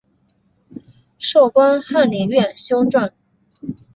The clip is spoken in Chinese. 授官翰林院修撰。